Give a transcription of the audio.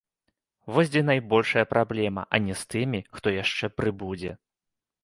Вось дзе найбольшая праблема, а не з тымі, хто яшчэ прыбудзе.